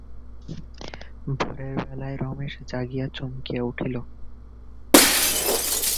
ভোরের বেলায় রমেশ জাগিয়া চমকিয়া উঠিল।